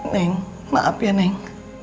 neng maaf ya neng